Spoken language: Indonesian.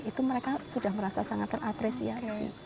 itu mereka sudah merasa sangat terapresiasi